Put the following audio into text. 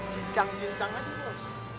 cincang cincang aja bos